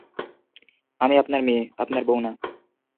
আমি আপনার মেয়ে, আপনার বউ না।